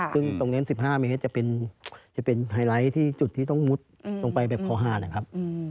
ซึ่งตรงนั้น๑๕เมตรจะเป็นไฮไลท์ที่จุดที่ต้องมุดลงไปแบบคอหาดนะครับ